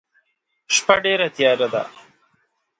شپه ډيره تیاره ده.